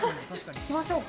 行きましょうか。